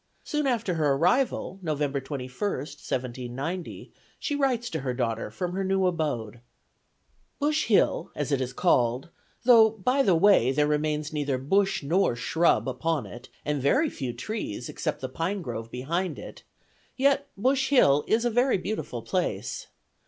Soon after her arrival (November 21, 1790), she writes to her daughter from her new abode: "Bush Hill, as it is called, though by the way there remains neither bush nor shrub upon it, and very few trees, except the pine grove behind it, yet Bush Hill is a very beautiful place.